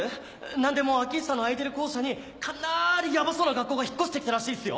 何でも開久の空いてる校舎にかなりヤバそうな学校が引っ越して来たらしいっすよ。